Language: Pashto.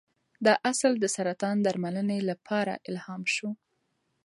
دا اصل د سرطان درملنې لپاره الهام شو.